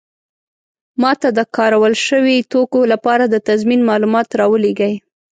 ما ته د کارول شوي توکو لپاره د تضمین معلومات راولیږئ.